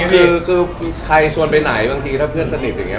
คือใครชวนไปไหนบางทีถ้าเพื่อนสนิทอย่างนี้